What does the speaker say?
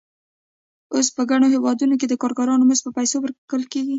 اوس په ګڼو هېوادونو کې د کارګرانو مزد په پیسو ورکول کېږي